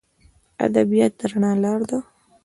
ادبیات د رڼا لار ده.